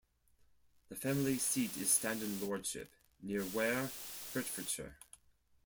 The family seat is Standon Lordship, near Ware, Hertfordshire.